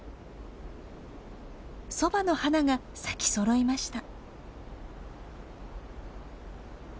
そばの花が咲きそろいました。